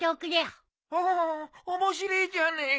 おお面白えじゃねえか。